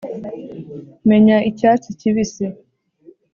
menya icyatsi kibisi,